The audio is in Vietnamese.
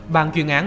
ban chuyên án